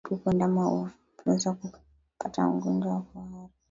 Majira ya kipupwe ndama huweza kupata ugonjwa wa kuhara